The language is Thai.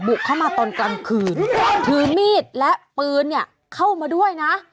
เข้ามาตอนกลางคืนถือมีดและปืนเนี่ยเข้ามาด้วยนะ